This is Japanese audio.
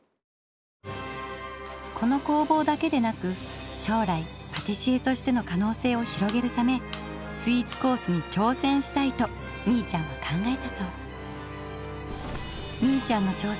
この工房だけでなく将来パティシエとしての可能性を広げるためスイーツコースに挑戦したいとみいちゃんは考えたそう。